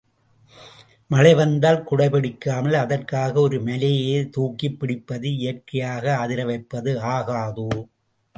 மழை வந்தால் குடை பிடிக்காமல் அதற் காக ஒரு மலையையே தூக்கிப் பிடிப்பது இயற்கையை அதிரவைப்பது ஆகாதோ?